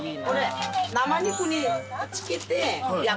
生肉につけて焼くのやつ。